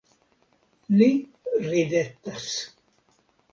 Li ridetas.